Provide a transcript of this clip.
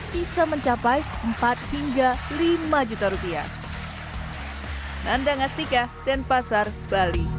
bisa mencapai rp empat hingga rp lima